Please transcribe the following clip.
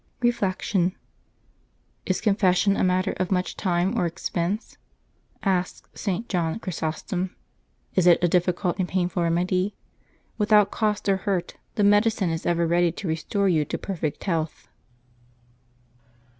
Reflection. —" Is confession a matter of much time or expense ?'' asks St. John Chrysostom. " Is it a difficult and painful remedy? Without cost or hurt, the medicine is ever ready to restore you to perfect health.